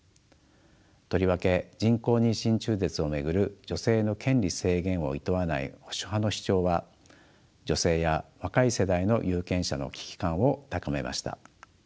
とりわけ人工妊娠中絶を巡る女性の権利制限をいとわない保守派の主張は女性や若い世代の有権者の危機感を高めました。